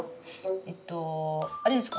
えっとあれですか？